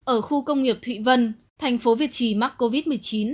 ở khu công nghiệp thụy vân tp việt trì mắc covid một mươi chín